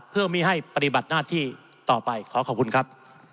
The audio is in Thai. เพื่อไม่ให้ปฏิบัติหน้าที่ต่อไปขอขอบคุณครับ